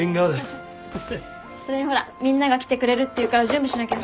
それにほらみんなが来てくれるっていうから準備しなきゃ。